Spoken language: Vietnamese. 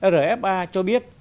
rfa cho biết